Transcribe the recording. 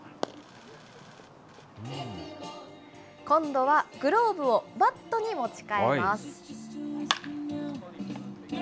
今度は、グローブをバットに持ち替えます。